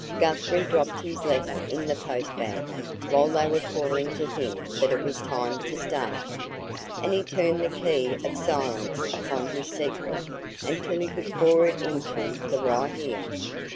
Guthrie dropped his letter in the post bag while they were calling to him that it was time to start. And he turned the key of silence upon his secret until he could pour it into the right ear.